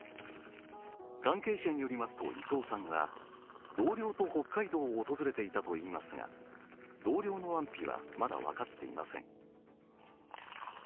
関係者によりますと、伊藤さんは同僚と北海道を訪れていたといいますが、同僚の安否はまだ分かっていません。